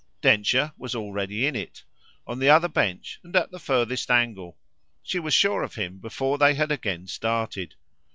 Densher was already in it on the other bench and at the furthest angle; she was sure of him before they had again started.